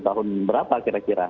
tahun berapa kira kira